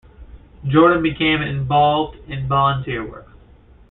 Jordan became involved in volunteer work.